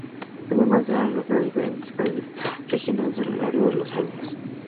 Además, ha albergado diferentes fases regionales a lo largo de los años.